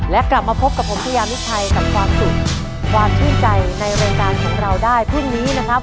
และกลับมาพบกับผมชายามิชัยกับความสุขความชื่นใจในรายการของเราได้พรุ่งนี้นะครับ